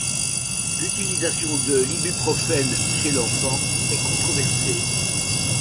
L'utilisation de l'ibuprofène chez l'enfant est controversée.